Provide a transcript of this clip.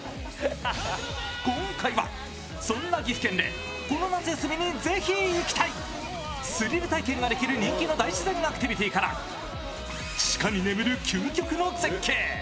今回はそんな岐阜県でこの夏休みにぜひ行きたいスリル体験ができる人気の大自然アクティビティーから地下に眠る究極の絶景。